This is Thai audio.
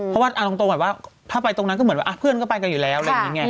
เพราะว่าอันตรงถ้าไปตรงนั้นก็เหมือนว่าเพื่อนก็ไปกันอยู่แล้ว